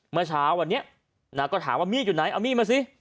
เมื่อเช้าวันนี้นะก็ถามว่ามีดอยู่ไหนเอามีดมาสิ